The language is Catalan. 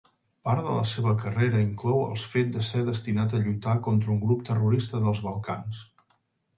Part de la seva carrera inclou el fet de ser destinat a lluitar contra un grup terrorista dels Balcans.